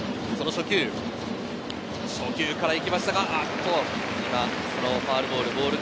初球から行きましたがファウルボール。